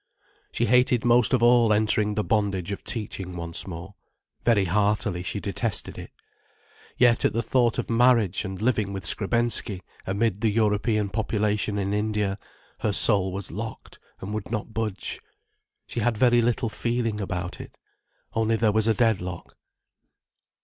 She hated most of all entering the bondage of teaching once more. Very heartily she detested it. Yet at the thought of marriage and living with Skrebensky amid the European population in India, her soul was locked and would not budge. She had very little feeling about it: only there was a deadlock.